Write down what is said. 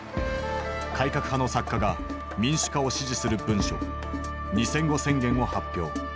改革派の作家が民主化を支持する文書「二千語宣言」を発表。